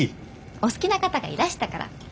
お好きな方がいらしたから！